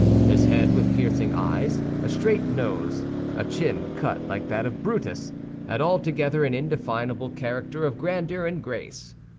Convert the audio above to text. His head, with piercing eyes, a straight nose, a chin cut like that of Brutus, had altogether an indefinable character of grandeur and grace.